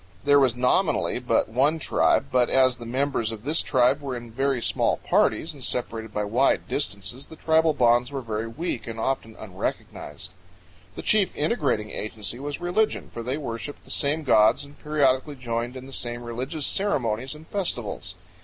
There was nominally but one tribe, but as the members of this tribe were in very small parties and separated by wide distances the tribal bonds were very weak and often unrecognized. The chief integrating agency was religion, for they worshiped the same gods and periodically joined in the same religious ceremonies and festivals.